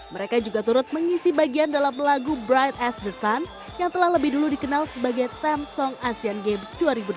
mereka juga turut mengisi bagian dalam lagu bright as the sun yang telah lebih dulu dikenal sebagai tem song asian games dua ribu delapan belas